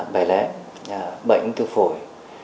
bài lẽ bệnh ung tư phổi